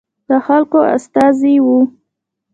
د خلکو استازي وو.